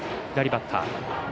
左バッター。